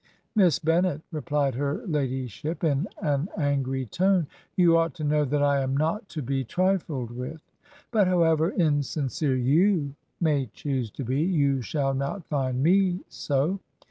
'Miss Bennet,' replied her ladyship in an angry tone, 'you ought to know that I am not to be * trifled with. But however insincere you may choose to be, you shall not find me so.